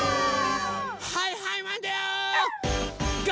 はいはいマンだよ！